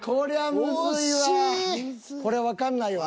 これわかんないわ。